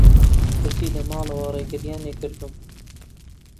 کەچی لە ماڵەوە رێگریان لێکردووم